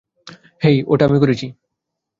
হেই, ওটা আমি করেছি!